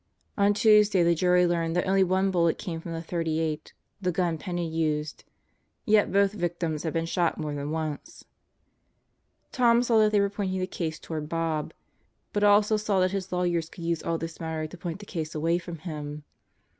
On Tuesday the jury learned that only one bullet came from the .38 the gun Penney used yet both victims had been shot more than once. Tom saw that they were pointing the case toward Bob, but also saw that his lawyers could use all this matter to point the case away from him.